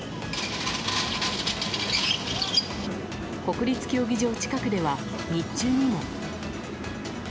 国立競技場近くでは日中にも。